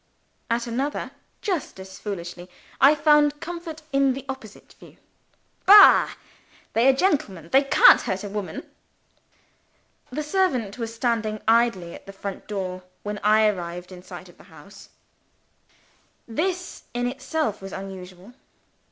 At another, just as foolishly, I found comfort in the opposite view. "Bah! They are gentlemen; they can't hurt a woman!" The servant was standing idling at the front door, when I arrived in sight of the house. This, in itself, was unusual.